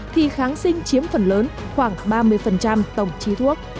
thì kháng sinh chiếm phần lớn khoảng ba mươi tổng trí thuốc